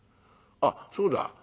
あっそうだ。